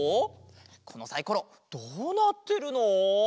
このサイコロどうなってるの？